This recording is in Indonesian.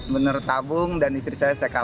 benar tabung dan istri saya saya kalah